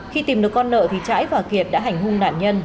khi tìm được con nợ thì trái và kiệt đã hành hung nạn nhân